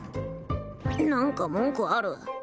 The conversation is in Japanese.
何か文句ある？